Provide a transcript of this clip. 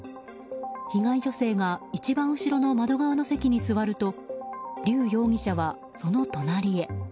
被害女性が一番後ろの窓側の席に座るとリュウ容疑者は、その隣へ。